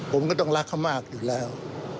ผมก็ต้องรักเขามากอยู่แล้ว